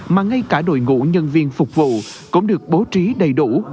mà ngay cả đội ngũ nhân viên phục vụ cũng được bố trí đầy đủ